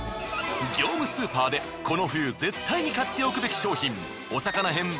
業務スーパーでこの冬絶対に買っておくべき商品お魚編